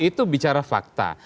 itu bicara fakta